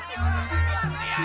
ini nggak ada alasnya